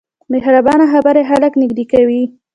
مهربانه خبرې خلک نږدې کوي.